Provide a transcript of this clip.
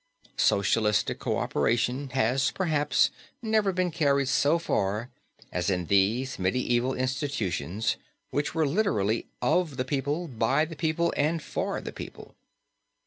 Socialistic cooperation has, perhaps, never been carried so far as in these medieval institutions which were literally "of the people, by the people, and for the people."